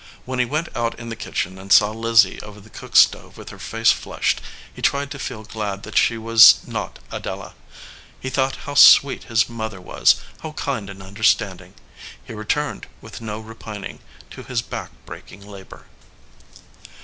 When he went out in the kitchen and saw Lizzie over the cook stove with her face flushed, he tried to feel glad that she was not Adela. He thought how sweet his mother was, how kind and under standing. He returned, with no repining, to his back breaking labor.